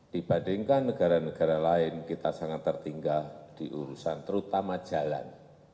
dibandingkan negara negara lain kita sangat tertinggal di urusan terutama jalan